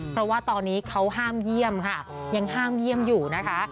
เพราะว่าตอนนี้เขาห้ามเยี่ยมค่ะยังห้ามเยี่ยมอยู่นะคะ